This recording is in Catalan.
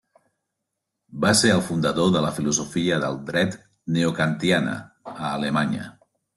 Va ser el fundador de la filosofia del dret neokantiana a Alemanya.